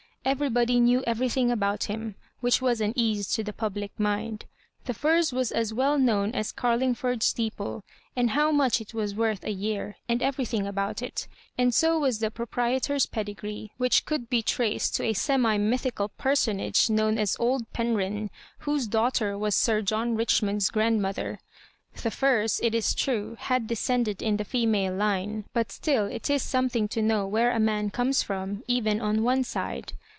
Everybody knew everything about him, which was an ease to the public mind. The Firs was as well known as Carlingford steeple, and how much it was worth a year, and everything about it; and so was the proprietor's pedigree, which could be traced to a semi mythical personage known as old Penrhyn, whose daughter was Sir John Richmond's grandmother. The Firs, it is true, had descended in the female line, but still it is something to know where a man comes from, even on one side.